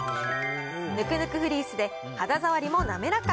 ぬくぬくフリースで肌触りもなめらか。